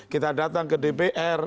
kita datang ke dpr